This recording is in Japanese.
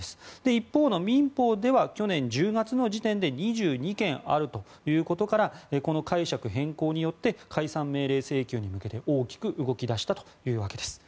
一方の民法では去年１０月時点で２２件あることからこの解釈変更によって解散命令請求に向けて大きく動き出したというわけです。